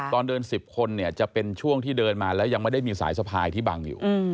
ตอนเดิน๑๐คนเนี่ยจะเป็นช่วงที่เดินมาแล้วยังไม่ได้มีสายสะพายที่บังอยู่